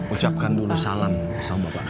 ucapkan dulu salam sama bapak